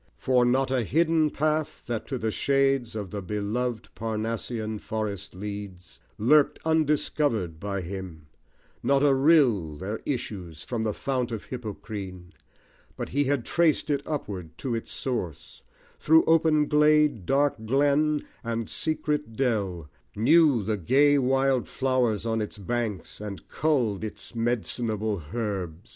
For not a hidden path, that to the shades Of the beloved Parnassian forest leads, Lurked undiscovered by him; not a rill There issues from the fount of Hippocrene, But he had traced it upward to its source, Through open glade, dark glen, and secret dell, Knew the gay wild flowers on its banks, and culled Its med'cinable herbs.